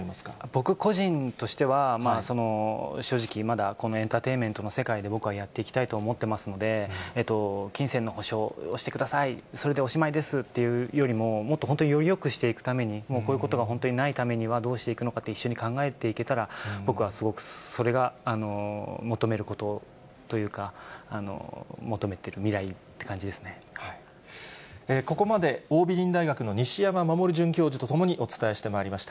僕個人としては、正直、まだこのエンターテイメントの世界で僕はやっていきたいと思っていますので、金銭の補償をしてください、それでおしまいですっていうよりも、もっと本当によりよくしていくために、もうこういうことが本当にないためには、どうしていくのかって一緒に考えていけたらって、僕はすごくそれが求めることというか、ここまで桜美林大学の西山守准教授と共にお伝えしてまいりました。